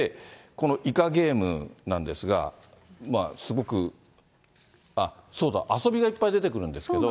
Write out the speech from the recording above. このイカゲームなんですが、すごく、そうだ、遊びがいっぱい出てくるんですけれども。